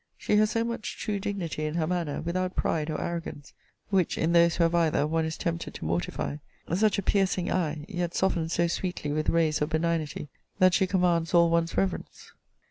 She has so much true dignity in her manner, without pride or arrogance, (which, in those who have either, one is tempted to mortify,) such a piercing eye, yet softened so sweetly with rays of benignity, that she commands all one's reverence.